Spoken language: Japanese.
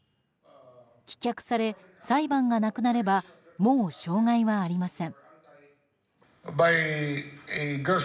棄却され、裁判がなくなればもう障害はありません。